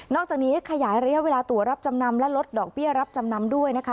อกจากนี้ขยายระยะเวลาตัวรับจำนำและลดดอกเบี้ยรับจำนำด้วยนะคะ